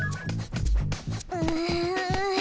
うん。